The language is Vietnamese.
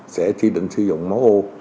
sẽ tri định sử dụng máu ô